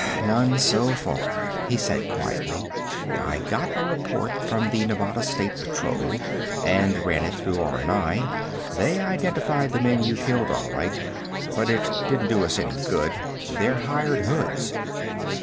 "None so far," he said quietly. "I got a report from the Nevada State Patrol, and ran it through R&I. They identified the men you killed, all right but it didn't do us any good. They're hired hoods."